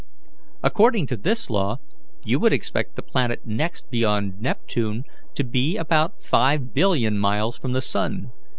According to this law, you would expect the planet next beyond Neptune to be about 5,000,000,000 miles from the sun.